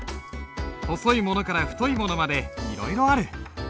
細いものから太いものまでいろいろある。